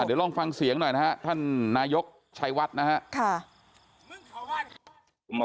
เดียวรองฟังเสียงหน่อยนะฮะท่านนายกลักษณ์ชายวัดนะฮะ